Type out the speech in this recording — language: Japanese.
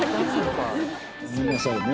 ごめんなさいね。